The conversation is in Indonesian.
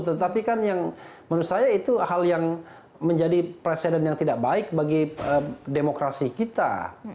tetapi kan yang menurut saya itu hal yang menjadi presiden yang tidak baik bagi demokrasi kita